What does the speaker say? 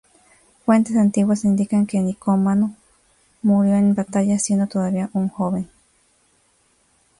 Fuentes antiguas indican que Nicómaco murió en batalla siendo todavía un joven.